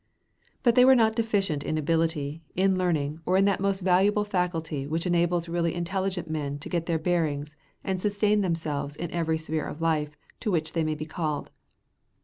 But they were not deficient in ability, in learning, or in that most valuable faculty which enables really intelligent men to get their bearings and sustain themselves in every sphere of life to which they may be called.